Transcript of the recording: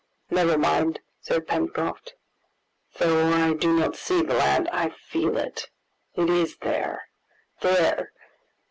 "Never mind," said Pencroft, "though I do not see the land, I feel it... it is there... there...